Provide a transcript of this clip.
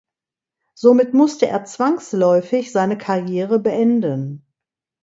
Somit musste er zwangsläufig seine Karriere beenden.